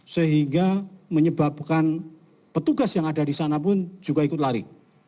sehingga menyebabkan petugas yang ada di sana pun juga ikut lari